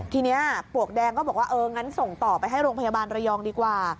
ทีนี้ปลวกแดงก็บอกว่าเอองั้นส่งต่อไปให้โรงพยาบาลระยองดีกว่า